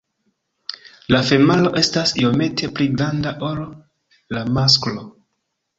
La femalo estas iomete pli granda ol la masklo.